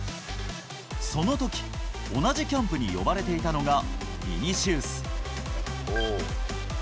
そのとき、同じキャンプに呼ばれていたのが、ビニシウス。